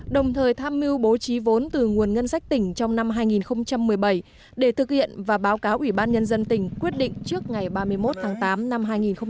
đồng thời tham mưu bố trí vốn từ nguồn ngân sách tỉnh trong năm hai nghìn một mươi bảy để thực hiện và báo cáo ủy ban nhân dân tỉnh quyết định trước ngày ba mươi một tháng tám năm hai nghìn một mươi chín